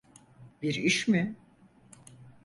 Bir iş mi?